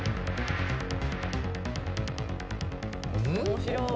面白い。